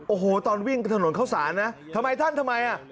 โอ้โหตอนวิ่งถนนเข้าสารนะทำไมท่านทำไมอ่ะ